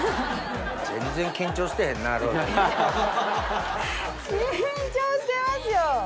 緊張してますよ！